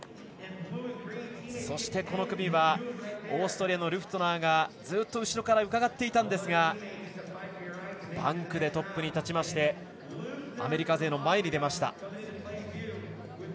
そして、この組はオーストリアのルフトゥナーがずっと後ろからうかがっていたんですがバンクでトップに立ちましてアメリカ勢の前に出ました。